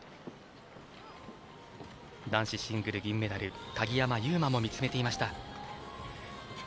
男子シングル銀メダル鍵山優真も見つめていました。